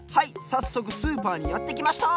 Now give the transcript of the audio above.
さっそくスーパーにやってきました！